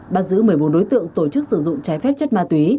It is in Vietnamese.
bắt giữ một mươi bốn đối tượng tổ chức sử dụng trái phép chất ma túy